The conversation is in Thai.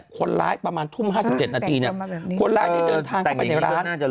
คนร้ายประมาณทุ่มห้าสิบเจ็ดนาทีคนร้ายจะเดินทางไปในร้าน